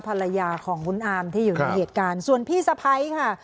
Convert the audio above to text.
ภรรยาของคุณอามที่อยู่ในเหตุการณ์ส่วนพี่สะพ้ายค่ะ